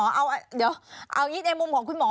เดี๋ยวเอางี้ในมุมของคุณหมอ